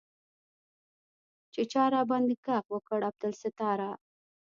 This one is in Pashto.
چې چا راباندې ږغ وکړ عبدالستاره.